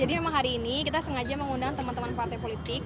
jadi memang hari ini kita sengaja mengundang teman teman partai politik